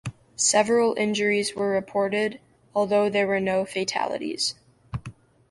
Several injuries were reported, although there were no fatalities.